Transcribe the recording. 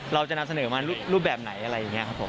เราจะนำเสนอมารูปแบบไหนอะไรอย่างนี้ครับผม